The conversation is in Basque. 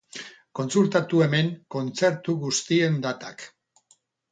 Kontsultatu hemen kontzertu guztien datak.